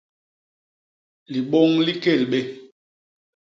Libôñ li kélbé.